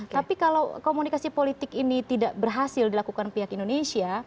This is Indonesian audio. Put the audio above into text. tapi kalau komunikasi politik ini tidak berhasil dilakukan pihak indonesia